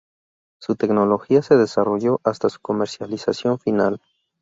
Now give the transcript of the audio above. Su tecnología se desarrolló hasta su comercialización final.